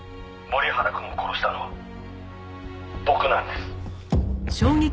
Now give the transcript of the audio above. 「森原くんを殺したのは僕なんです」